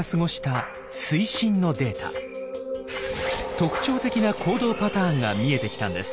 特徴的な行動パターンが見えてきたんです。